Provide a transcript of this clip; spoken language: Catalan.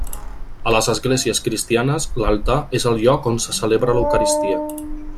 A les esglésies cristianes l'altar és el lloc on se celebra l'eucaristia.